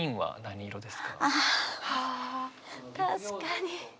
あ確かに。